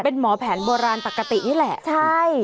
เป็นหมอแผนโบราณปกตินี่แหละใช่